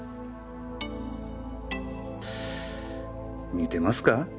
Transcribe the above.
似てますか？